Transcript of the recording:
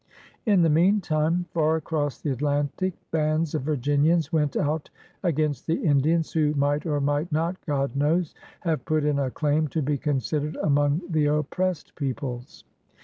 In the meantime, far across the Atlantic, bands of Virginians went out against the Indians — who might, or might not, God knows! have put in a claim to be considered among the oppressed peoples.